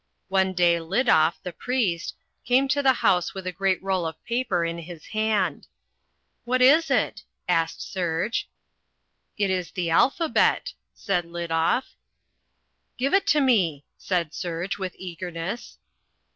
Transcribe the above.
One day Liddoff, the priest, came to the house with a great roll of paper in his hand. "What is it?" asked Serge. "It is the alphabet," said Liddoff. "Give it to me," said Serge with eagerness.